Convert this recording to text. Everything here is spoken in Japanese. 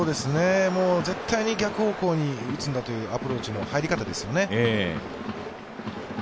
絶対に逆方向に打つんだというアプローチ、入り方ですよね。